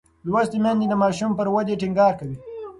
لوستې میندې د ماشوم پر ودې ټینګار کوي.